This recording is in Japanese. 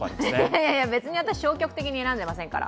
いやいや、私消極的に選んでませんから。